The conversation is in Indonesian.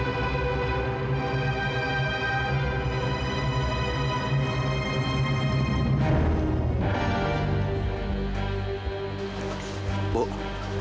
bapak saya sudah melaksanakan perintah ibu saya